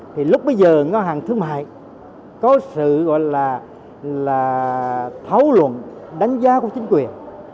thì lúc bây giờ ngân hàng thương mại có sự gọi là thấu luận đánh giá của chính quyền